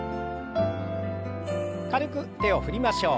軽く手を振りましょう。